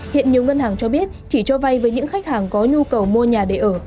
hiện nhiều ngân hàng cho biết chỉ cho vay với những khách hàng có nhu cầu mua nhà để ở